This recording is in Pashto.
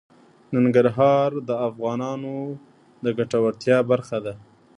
ننګرهار د افغانانو د ګټورتیا برخه ده.